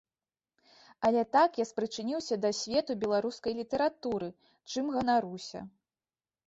Але так я спрычыніўся да свету беларускай літаратуры, чым ганаруся.